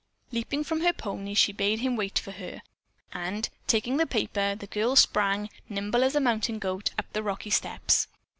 Leaping from her pony, she bade him wait for her, and, taking the paper, the girl sprang, nimble as a mountain goat, up the rocky steps.